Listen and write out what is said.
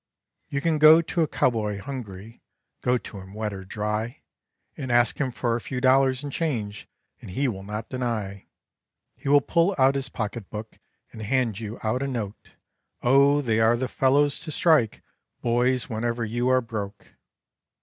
You can go to a cowboy hungry, go to him wet or dry, And ask him for a few dollars in change and he will not deny; He will pull out his pocket book and hand you out a note, Oh, they are the fellows to strike, boys, whenever you are broke.